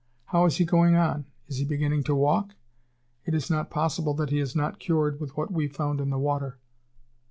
How is he going on? Is he beginning to walk? It is not possible that he is not cured with what we found in the water!"